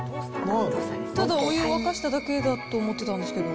ただお湯を沸かしただけだと思ってたんですけど。